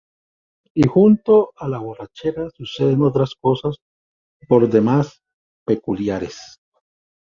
Y junto a la borrachera suceden otras cosas por demás peculiares.